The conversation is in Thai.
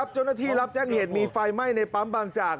เจ้าหน้าที่รับแจ้งเหตุมีไฟไหม้ในปั๊มบางจาก